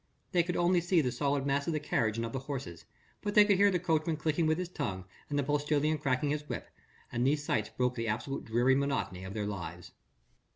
They could only see the solid mass of the carriage and of the horses, but they could hear the coachman clicking with his tongue and the postilion cracking his whip, and these sights broke the absolute dreary monotony of their lives.